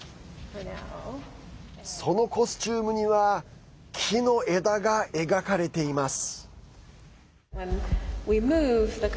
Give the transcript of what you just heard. そのコスチュームには木の枝が描かれています。